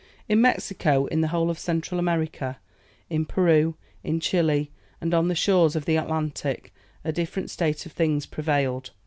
In Mexico, in the whole of Central America, in Peru, in Chili, and on the shores of the Atlantic, a different state of things prevailed.